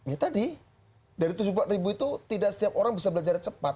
ya tadi dari tujuh puluh empat ribu itu tidak setiap orang bisa belajar cepat